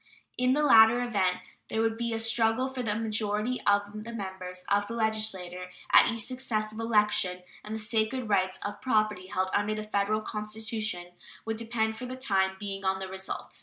In the latter event there would be a struggle for a majority of the members of the legislature at each successive election, and the sacred rights of property held under the Federal Constitution would depend for the time being on the result.